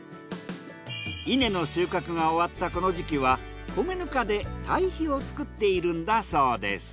稲の収穫が終わったこの時期は米ぬかで堆肥を作っているんだそうです。